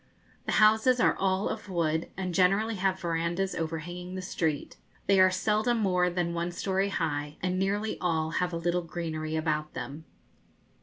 The houses are all of wood, and generally have verandahs overhanging the street. They are seldom more than one story high, and nearly all have a little greenery about them.